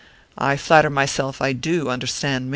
I flatter myself I do understand Ming."